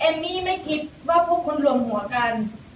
เอมี่ไม่คิดว่าพวกคนนี้ลวมหัวกัน